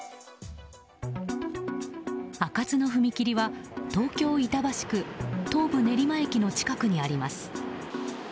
開かずの踏切は東京・板橋区東武練馬駅の近くにあります。